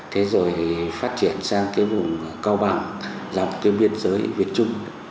thế rồi phát triển sang cái vùng cao bằng dọc cái biên giới việt trung